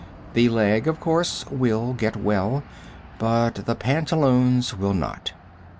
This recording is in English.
The leg, of course, will get well, but the pantaloons will not.